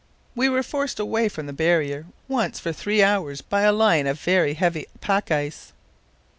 We were forced away from the barrier once for three hours by a line of very heavy pack ice.